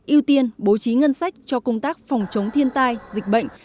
ưu tiên bố trí ngân sách cho công tác phòng chống thiên tai dịch bệnh